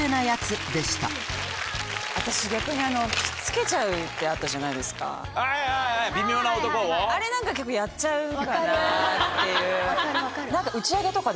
やっちゃう。